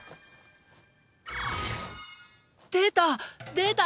出た！